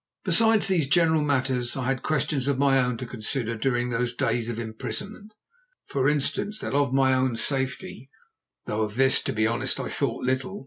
Besides these general matters, I had questions of my own to consider during those days of imprisonment—for instance, that of my own safety, though of this, to be honest, I thought little.